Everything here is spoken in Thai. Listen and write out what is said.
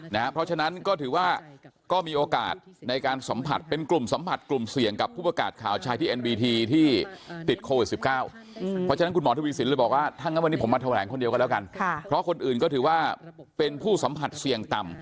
นะเพราะฉะนั้นก็ถือว่าก็มีโอกาสไว้ในการสัมผัสเป็นกลุ่มสัมผัสกลุ้มเสียงกับผู้ประกาศข่าวชายเอน